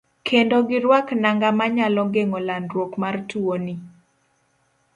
Kendo giruak nanga manyalo geng'o landruok mar tuoni.